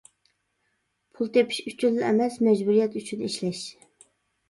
پۇل تېپىش ئۈچۈنلا ئەمەس، مەجبۇرىيەت ئۈچۈن ئىشلەش.